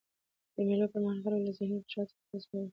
د مېلو پر مهال خلک له ذهني فشار څخه خلاصون مومي.